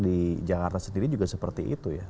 di jakarta sendiri juga seperti itu ya